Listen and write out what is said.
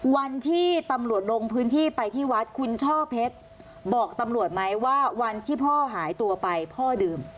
วันที่ตำรวจลงพื้นที่ไปที่วัดคุณช่อเพชรบอกตำรวจไหมว่าวันที่พ่อหายตัวไปพ่อดื่ม